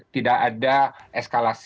tidak ada eskalasi